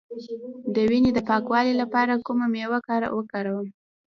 د وینې د پاکوالي لپاره کومه میوه وکاروم؟